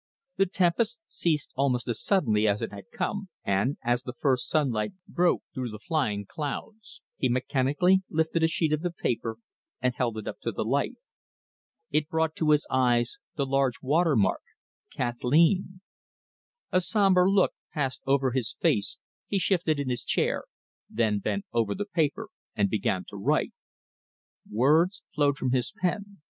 The tempest ceased almost as suddenly as it had come, and, as the first sunlight broke through the flying clouds, he mechanically lifted a sheet of the paper and held it up to the light. It brought to his eyes the large water mark, Kathleen! A sombre look passed over his face, he shifted in his chair, then bent over the paper and began to write. Words flowed from his pen.